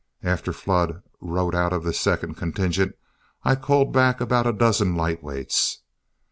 After Flood rode out of this second contingent, I culled back about a dozen light weights.